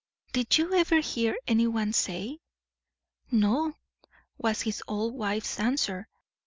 Did you ever hear anyone say?" "No," was his old wife's answer.